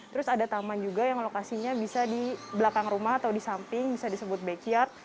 terus ada taman juga yang lokasinya bisa di belakang rumah atau di samping bisa disebut backyard